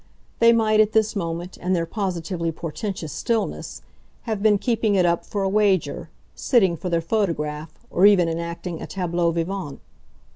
They might at this moment, in their positively portentous stillness, have been keeping it up for a wager, sitting for their photograph or even enacting a tableau vivant.